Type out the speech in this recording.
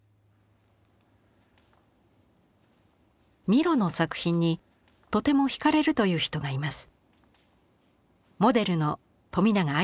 ミロの作品にとてもひかれるという人がいます。